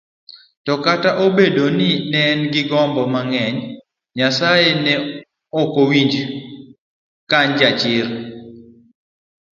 To kata obedo ni nean gi gombo marng'eyo Nyasaye, ne okawinj kaan gichir